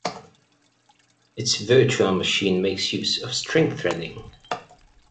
Its virtual machine makes use of string threading.